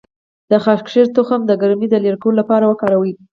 د خاکشیر تخم د ګرمۍ د لرې کولو لپاره وکاروئ